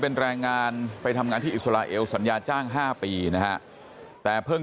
เป็นแรงงานไปทำงานที่อิสราเอลสัญญาจ้าง๕ปีนะฮะแต่เพิ่ง